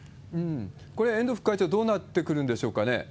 これ、遠藤副会長、どうなってくるんでしょうかね？